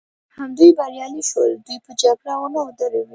همدوی بریالي شول، دوی به جګړه ونه دروي.